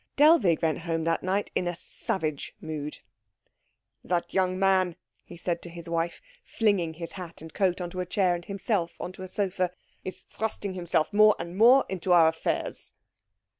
Dellwig went home that night in a savage mood. "That young man," he said to his wife, flinging his hat and coat on to a chair and himself on to a sofa, "is thrusting himself more and more into our affairs."